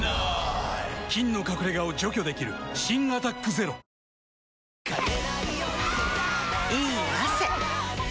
菌の隠れ家を除去できる新「アタックＺＥＲＯ」いい汗。